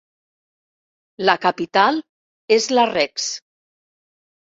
La capital és Larraix.